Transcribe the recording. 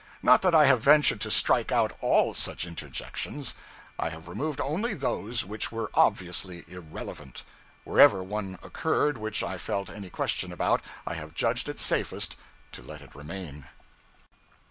Not that I have ventured to strike out all such interjections; I have removed only those which were obviously irrelevant; wherever one occurred which I felt any question about, I have judged it safest to let it remain.